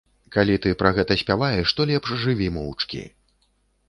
Калі ты пра гэта спяваеш, то лепш жыві моўчкі.